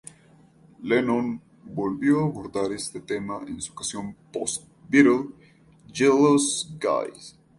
Lennon volvió a abordar este tema en su canción post-beatle "Jealous Guy".